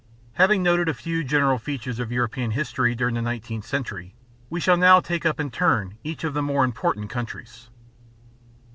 Having noted a few general features of European history during the nineteenth century, we shall now take up in turn each of the more important countries.